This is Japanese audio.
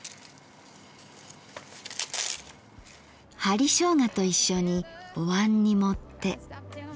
針しょうがと一緒におわんに盛って。